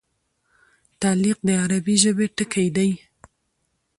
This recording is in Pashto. تعلیق د عربي ژبي ټکی دﺉ.